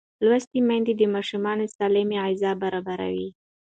لوستې میندې د ماشوم سالمه غذا برابروي.